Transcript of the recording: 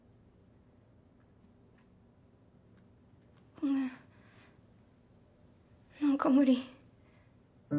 ごめんなんか無理